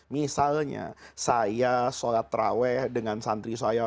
misalnya saya sholat terawih dengan santri saya